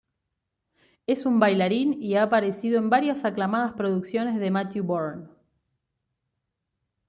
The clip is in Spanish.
Es un bailarín y ha aparecido en varias aclamadas producciones de Matthew Bourne.